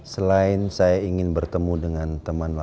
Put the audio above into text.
selain saya ingin bertemu dengan teman mama saya